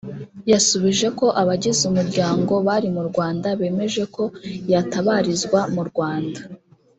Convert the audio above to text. yasubije ko abagize umuryango bari mu Rwanda bemeje ko yatabarizwa mu Rwanda